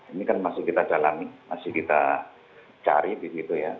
ini kan masih kita jalani masih kita cari di situ ya